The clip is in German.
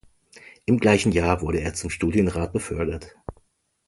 Im gleichen Jahr wurde er zum Studienrat befördert.